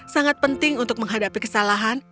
sangat penting untuk menghadapi kesalahan